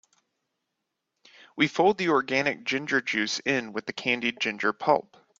We fold the organic ginger juice in with the candied ginger pulp.